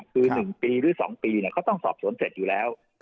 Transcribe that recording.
คือ๑ปีหรือ๒ปีเขาต้องสอบสวนเสร็จอยู่แล้ว